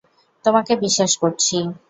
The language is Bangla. তোমাকে বিশ্বাস করছি।